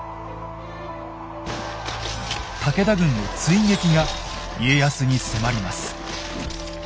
武田軍の追撃が家康に迫ります。